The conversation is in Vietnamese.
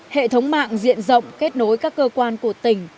hệ thống mạng diện rộng kết nối các cơ quan của tỉnh